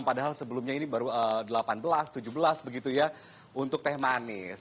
padahal sebelumnya ini baru delapan belas tujuh belas begitu ya untuk teh manis